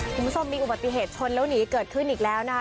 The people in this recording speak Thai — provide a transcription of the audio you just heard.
คุณผู้ชมมีอุบัติเหตุชนแล้วหนีเกิดขึ้นอีกแล้วนะคะ